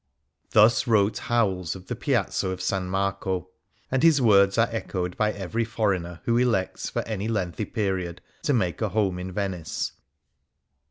THUS wrote Howells of the Piazza of S. Marco ; and his words are echoed by every foreigner who elects, for any lengthy period, to make a home in Venice.